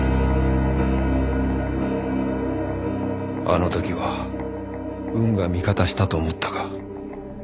あの時は運が味方したと思ったが。